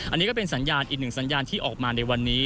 อันนี้ก็เป็นสัญญาณอีกหนึ่งสัญญาณที่ออกมาในวันนี้